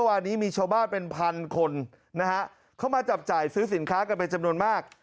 วันนี้มีชาวบ้านเป็นพันคนนะฮะเข้ามาจับจ่ายซื้อสินค้ากันเป็นจำนวนมาก